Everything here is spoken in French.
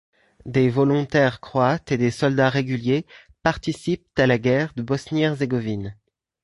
Des volontaires croates et des soldats réguliers participent à la Guerre de Bosnie-Herzégovine.